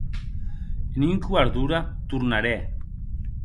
En un quart d’ora, tornarè.